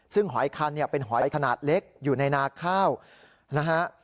ซึ่งหอยคันเนี่ยเป็นหอยขนาดเล็กอยู่ในนาข้าวนะฮะ